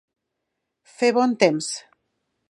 Fer bon temps.